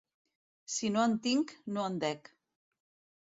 Si no en tinc, no en dec.